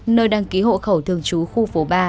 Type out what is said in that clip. nơi đăng ký hộ khẩu thường trú khu phố ba